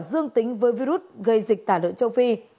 dương tính với virus gây dịch tả lợn châu phi